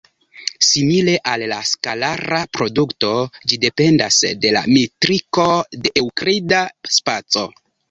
Simile al la skalara produto, ĝi dependas de la metriko de eŭklida spaco.